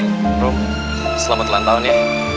hmm selamat ulang tahun ya